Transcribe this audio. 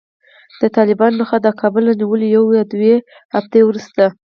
د طالبانو له خوا د کابل له نیولو یوه یا دوې اوونۍ وروسته